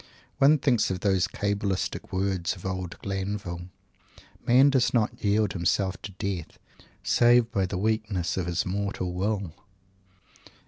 One thinks of those Cabalistic words of old Glanville, "Man does not yield himself to Death save by the weakness of his mortal Will."